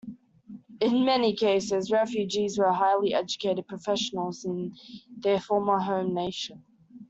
In many cases, Refugees were highly educated professionals in their former home nation.